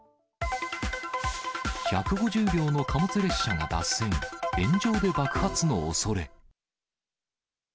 １５０両の貨物列車が脱線、炎上で爆発のおそれ。